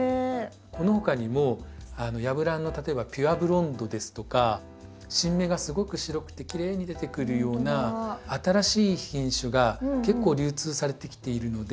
このほかにもヤブランの例えばピュアブロンドですとか新芽がすごく白くてきれいに出てくるような新しい品種が結構流通されてきているので。